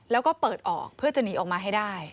แล้วก็เปิดออกเพื่อจะหนีออกมาให้ได้